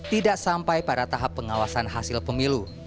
tidak sampai pada tahap pengawasan hasil pemilu